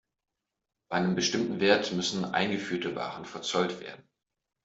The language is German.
Ab einem bestimmten Wert müssen eingeführte Waren verzollt werden.